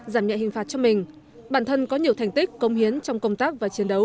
giảm nhẹ hình phạt cho mình bản thân có nhiều thành tích công hiến trong công tác và chiến đấu